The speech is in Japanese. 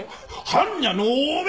「般若のお面！」